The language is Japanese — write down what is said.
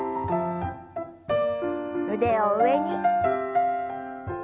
腕を上に。